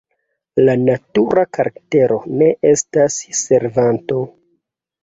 La natura karaktero ne estas servanto.